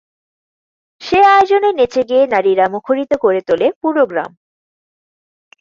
সে আয়োজনে নেচে-গেয়ে নারীরা মুখরিত করে তোলে পুরো গ্রাম।